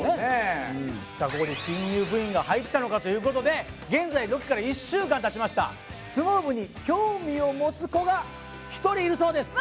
ここで新入部員が入ったのかということで現在ロケから１週間たちました相撲部に興味を持つ子が１人いるそうです